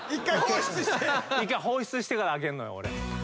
１回放出してから開けるのよ。